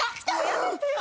やめてよ。